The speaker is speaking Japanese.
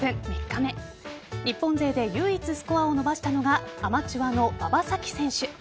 日本勢で唯一スコアを伸ばしたのがアマチュアの馬場咲希選手。